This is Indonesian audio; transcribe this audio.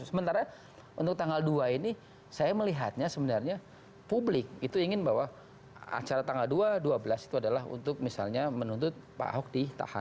sementara untuk tanggal dua ini saya melihatnya sebenarnya publik itu ingin bahwa acara tanggal dua dua belas itu adalah untuk misalnya menuntut pak ahok ditahan